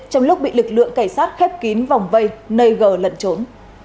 trong lúc bị lực lượng cảnh sát khép kín vòng vây nơi gờ lận trốn